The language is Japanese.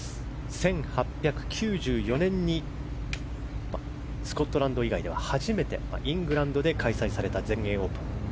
１８９４年にスコットランド以外では初めてイングランドで開催された全英オープン。